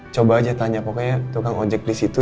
coba aja tanya pokoknya tukang ojek di situ